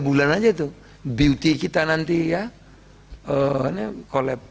tiga bulan aja itu beauty kita nanti ya kolep